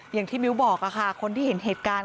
อย่างที่มิ้วบอกค่ะคนที่เห็นเหตุการณ์